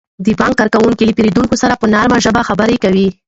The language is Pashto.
د بانک کارکوونکي له پیرودونکو سره په نرمه ژبه خبرې کوي.